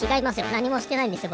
なにもしてないんですよ